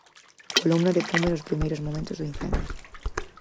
Columna de fume nos primeiros momentos do incendio.